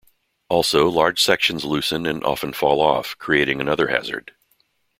Also, large sections loosen and often fall off, creating another hazard.